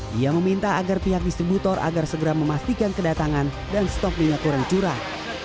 dia meminta agar pihak distributor agar segera memastikan kedatangan dan stok minyak goreng curah